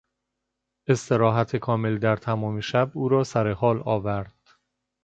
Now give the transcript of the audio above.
استراحت کامل در تمام شب او را سرحال آورد.